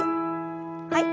はい。